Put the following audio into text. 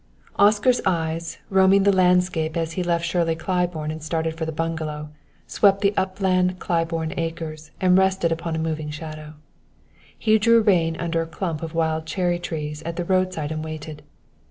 Oscar's eye, roaming the landscape as he left Shirley Claiborne and started for the bungalow, swept the upland Claiborne acres and rested upon a moving shadow. He drew rein under a clump of wild cherry trees at the roadside and waited.